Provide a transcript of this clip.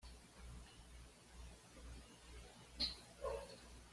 Inicia su militancia política en filas del Movimiento Por la Patria.